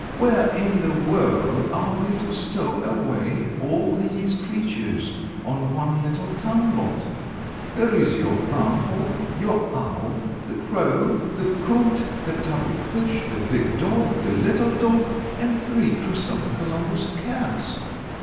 Where in the world are we to stow away all these creatures on one little town lot? There is your groundhog, your owl, the crow, the coot, the tub of fish, the big dog, the little dog, and three Christopher Columbus cats."